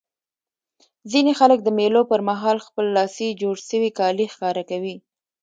ځيني خلک د مېلو پر مهال خپلي لاسي جوړ سوي کالي ښکاره کوي.